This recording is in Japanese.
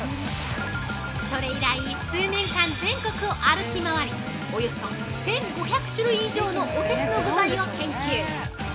◆それ以来、数年間全国を歩き回り、およそ１５００種類以上のおせちの具材を研究。